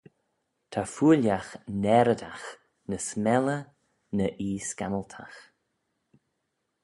Ta fooillagh naareydagh ny s'melley na ee scammyltagh